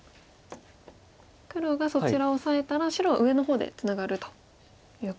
黒がそちらをオサえたら白は上の方でツナがるということですね。